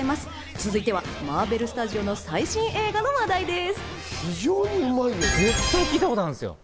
続いてはマーベル・スタジオの最新映画の話題です。